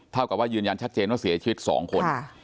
เท่ากับว่ายืนยันชัดเจนว่าเสียชีวิต๒คน